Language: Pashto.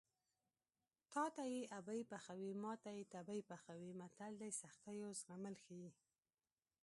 تاته یې ابۍ پخوي ماته یې تبۍ پخوي متل د سختیو زغمل ښيي